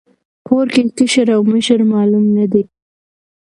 کور کې کشر او مشر معلوم نه دی.